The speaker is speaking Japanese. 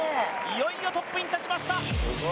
いよいよトップに立ちました